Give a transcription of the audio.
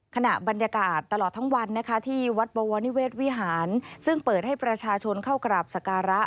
ขณะบรรยากาศตลอดทั้งวันนะคะที่วัดบวรนิเวศวิหารซึ่งเปิดให้ประชาชนเข้ากราบสการะ